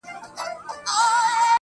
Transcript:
خدايه له بـهــاره روانــېــږمه.